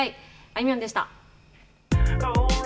あいみょんでした。